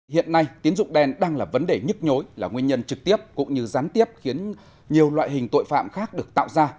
hiện nay tiến dụng đen đang là vấn đề nhức nhối là nguyên nhân trực tiếp cũng như gián tiếp khiến nhiều loại hình tội phạm khác được tạo ra